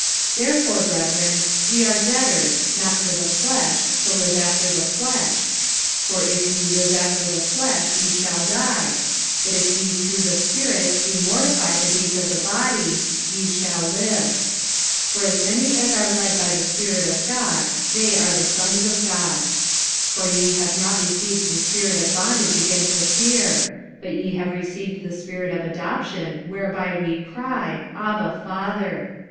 45:008:012 Therefore, brethren, we are debtors, not to the flesh, to live after the flesh. 45:008:013 For if ye live after the flesh, ye shall die: but if ye through the Spirit do mortify the deeds of the body, ye shall live. 45:008:014 For as many as are led by the Spirit of God, they are the sons of God. 45:008:015 For ye have not received the spirit of bondage again to fear; but ye have received the Spirit of adoption, whereby we cry, Abba, Father.